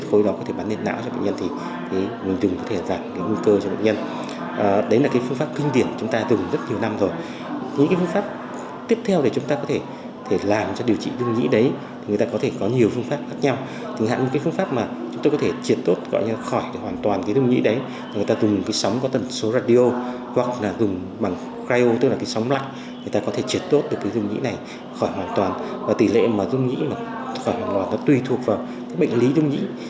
thì hiện nay phương pháp sử dụng năng lượng sóng có tần số radio với sự hỗ trợ công nghệ lập bệnh nhân mắc bệnh rung nhĩ